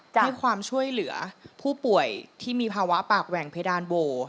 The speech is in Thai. ให้ความช่วยเหลือผู้ป่วยที่มีภาวะปากแหว่งเพดานโว